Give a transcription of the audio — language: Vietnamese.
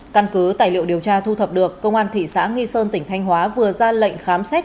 căn cứ tài liệu điều tra thu thập được công an thị xã nghi sơn tỉnh thanh hóa vừa ra lệnh khám xét